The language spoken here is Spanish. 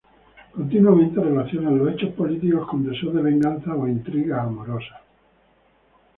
Continuamente relacionan los hechos políticos con deseos de venganza o intrigas amorosas.